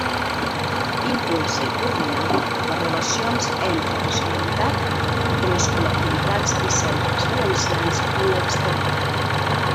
Impulsa i coordina les relacions entre la Generalitat i les col·lectivitats i centres valencians en l'exterior.